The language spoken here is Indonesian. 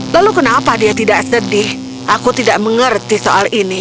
lalu kenapa dia tidak sedih aku tidak mengerti soal ini